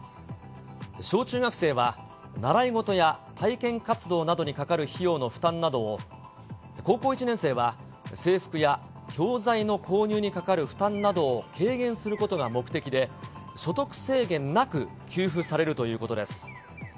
小中学生は、習い事や体験活動などにかかる費用の負担などを、高校１年生は制服や教材の購入にかかる負担などを軽減することが目的で、所得制限なく給付されるということです。